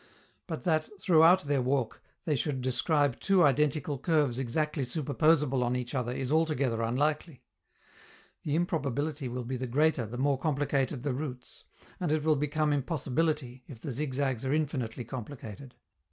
But that, throughout their walk, they should describe two identical curves exactly superposable on each other, is altogether unlikely. The improbability will be the greater, the more complicated the routes; and it will become impossibility, if the zigzags are infinitely complicated.